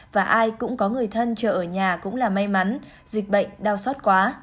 và ai cũng có người thân chờ ở nhà cũng là may mắn dịch bệnh đau xót quá